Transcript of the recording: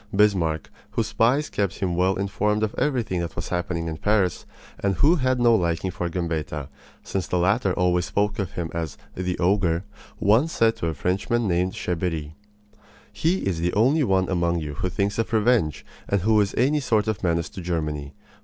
Bismarck, whose spies kept him well informed of everything that was happening in Paris, and who had no liking for Gambetta, since the latter always spoke of him as "the Ogre," once said to a Frenchman named Cheberry: "He is the only one among you who thinks of revenge, and who is any sort of a menace to Germany.